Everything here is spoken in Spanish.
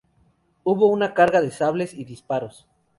Hubo una carga de sables y disparos.